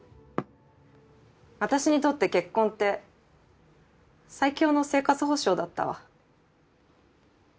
私にとって結婚って最強の生活保障だったわ。